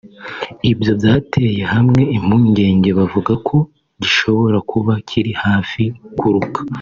Ibyo byateye bamwe impungenge bavuga ko gishobora kuba kiri hafi kuruka